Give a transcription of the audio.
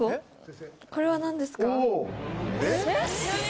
これは何ですか？